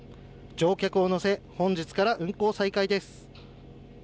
乗客を乗せ本日から運航再開です。